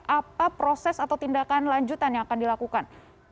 apa proses atau tindakan lanjutan yang akan dilakukan